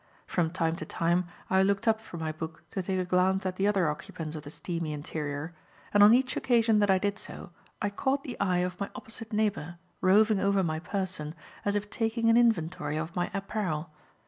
From time to time I looked up from my book to take a glance at the other occupants of the steamy interior, and on each occasion that I did so, I caught the eye of my opposite neighbour roving over my person as if taking an inventory of my apparel.